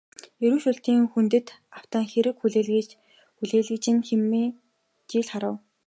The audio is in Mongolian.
Эрүү шүүлтийн хүндэд автан хэрэг хүлээгүүжин хэмээн жил харав.